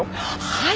はい？